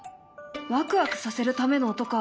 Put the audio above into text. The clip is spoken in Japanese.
ワクワクさせるための音か。